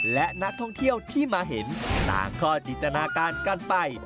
และนักท่องเที่ยวที่มาเห็นต่างก็จินตนาการกันไป